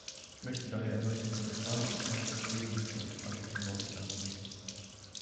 Ich möchte daher erneut dem Kommissar und meinen Kollegen für ihre freundlichen Worte danken.